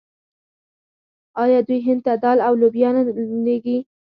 آیا دوی هند ته دال او لوبیا نه لیږي؟